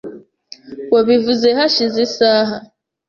Wabivuze hashize isaha .